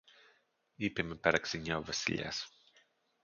είπε με παραξενιά ο Βασιλιάς